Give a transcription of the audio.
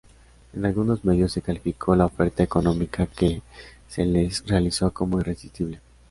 En algunos medios se calificó la oferta económica que se les realizó como irresistible.